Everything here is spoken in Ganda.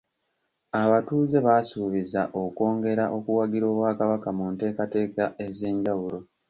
Abatuuze baasuubiza okwongera okuwagira Obwakabaka mu nteekateeka ez'enjawulo.